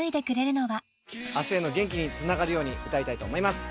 明日への元気につながるように歌いたいと思います。